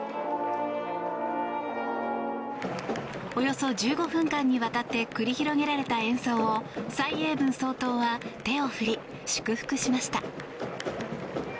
およそ１５分間にわたって繰り広げられた演奏を蔡英文総統は手を振り、祝福しました。